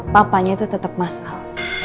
papanya itu tetap mas al